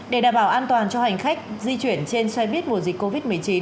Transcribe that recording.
để đảm bảo an toàn cho hành khách di chuyển trên xoay viết mùa dịch covid một mươi chín